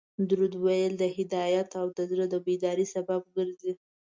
درود ویل د هدایت او د زړه د بیداري سبب ګرځي